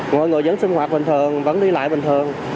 mọi người vẫn sinh hoạt bình thường vẫn đi lại bình thường